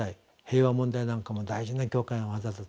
平和問題なんかも大事な教会の業だと。